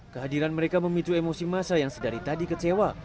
kehadiran mereka memicu emosi masa yang sedari tadi kecewa